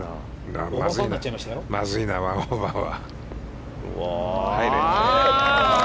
まずいな、オーバーは。